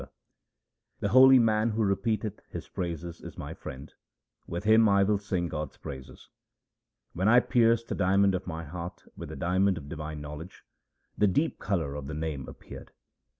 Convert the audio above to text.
HYMNS OF GURU RAM DAS 287 The holy man who repeateth His praises is my friend ; with him I will sing God's praises. When I pierced the diamond of my heart with the diamond of divine knowledge, the deep colour of the Name appeared.